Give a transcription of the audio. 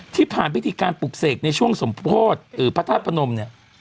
ที่ผ่านวิธีการปรุปเศกในช่วงสมโพธหรือพระธาตุพระนมเนี่ย